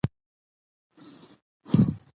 بامیان د افغانانو د تفریح لپاره یوه ډیره ښه وسیله ده.